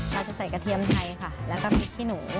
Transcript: เราจะใส่กระเทียมไทยค่ะแล้วก็พริกขี้หนู